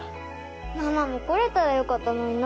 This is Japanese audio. ママも来られたらよかったのにな。